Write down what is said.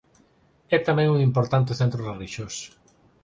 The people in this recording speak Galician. É tamén un importante centro relixioso.